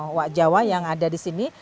owak jawa yang ada di sini